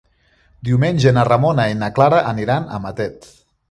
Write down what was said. Diumenge na Ramona i na Clara aniran a Matet.